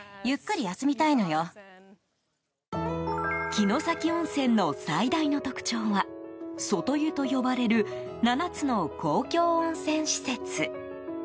城崎温泉の最大の特徴は外湯と呼ばれる７つの公共温泉施設。